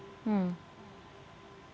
itu hal yang semua harus diajarin